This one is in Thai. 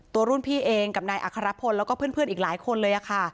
รุ่นพี่เองกับนายอัครพลแล้วก็เพื่อนอีกหลายคนเลยค่ะ